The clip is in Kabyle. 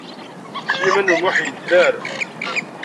Sliman U Muḥ yedder.